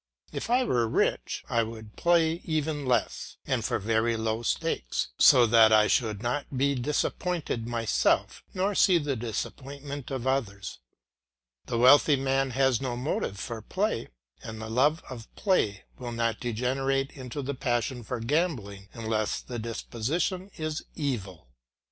If I were rich I would play even less, and for very low stakes, so that I should not be disappointed myself, nor see the disappointment of others. The wealthy man has no motive for play, and the love of play will not degenerate into the passion for gambling unless the disposition is evil.